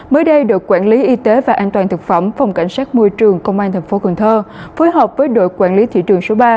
mới đây đội quản lý y tế và an toàn thực phẩm phòng cảnh sát môi trường công an tp cnh phối hợp với đội quản lý thị trường số ba